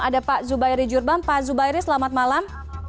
ada pak zubairi jurban pak zubairi selamat malam